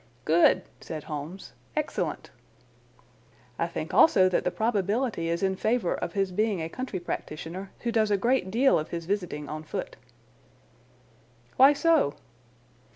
"Good!" said Holmes. "Excellent!" "I think also that the probability is in favour of his being a country practitioner who does a great deal of his visiting on foot." "Why so?"